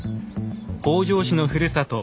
北条氏のふるさと